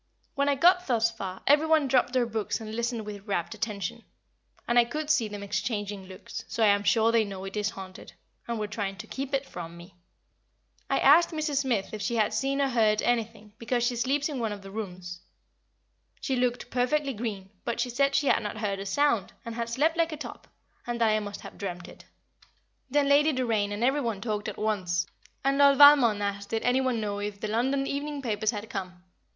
When I got thus far every one dropped their books and listened with rapt attention, and I could see them exchanging looks, so I am sure they know it is haunted, and were trying to keep it from me. I asked Mrs. Smith if she had seen or heard anything, because she sleeps in one of the rooms. She looked perfectly green, but she said she had not heard a sound, and had slept like a top, and that I must have dreamt it. Then Lady Doraine and every one talked at once, and Lord Valmond asked did any one know if the London evening papers had come.